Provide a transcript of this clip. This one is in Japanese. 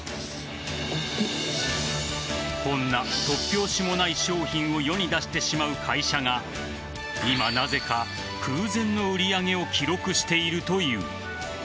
こんな突拍子もない商品を世に出してしまう会社が今、なぜか空前の売り上げを記録しているという。